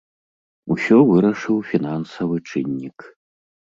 Усё вырашыў фінансавы чыннік.